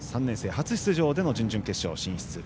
初出場での準々決勝進出。